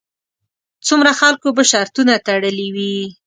څومره خلکو به شرطونه تړلې وي.